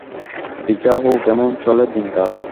পিকা-হু কেমন চলে দিনকাল?